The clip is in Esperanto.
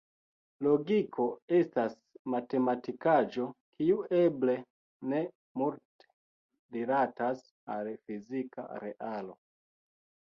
Logiko estas matematikaĵo, kiu eble ne multe rilatas al fizika realo.